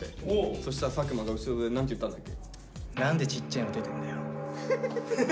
そしたら佐久間が後ろで何て言ったんだっけ？